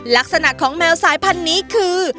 ลักษณะของแมวสายพันธุ์นี้คือ